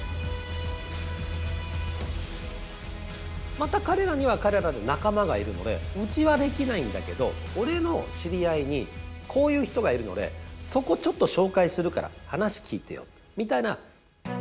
また彼らには彼らで仲間がいるので「うちはできないんだけど俺の知り合いにこういう人がいるのでそこちょっと紹介するから話聞いてよ」みたいな。